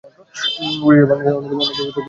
বরিশাল বাংলাদেশের অন্যতম গুরুত্বপূর্ণ একটি নদীবন্দর।